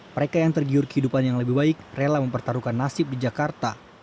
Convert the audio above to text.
mereka yang tergiur kehidupan yang lebih baik rela mempertaruhkan nasib di jakarta